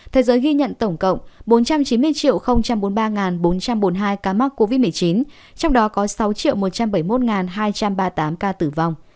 thế giới ghi nhận tổng cộng bốn trăm chín mươi bốn mươi ba bốn trăm bốn mươi hai ca mắc covid một mươi chín trong đó có sáu một trăm bảy mươi một hai trăm ba mươi tám ca tử vong